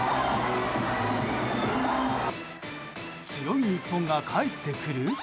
強い日本が帰ってくる？